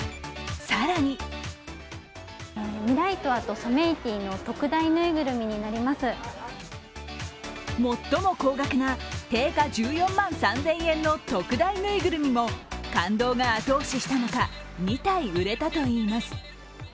更に最も高額な定価１４万３０００円の特大ぬいぐるみも感動が後押ししたのか２体売れたといいます。